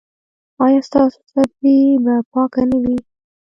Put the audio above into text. ایا ستاسو سبزي به پاکه نه وي؟